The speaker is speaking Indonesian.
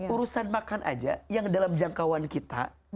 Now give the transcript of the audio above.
urusan makan aja yang dalam jangkauan kita